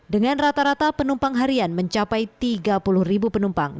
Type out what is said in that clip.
dengan rata rata penumpang harian mencapai tiga puluh ribu penumpang